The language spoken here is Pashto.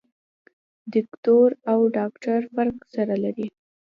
دوکتور او ډاکټر فرق سره لري.